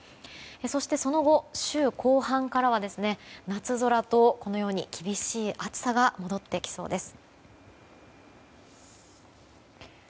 そしてその後、週後半からは夏空と厳しい暑さが戻ってきそうです。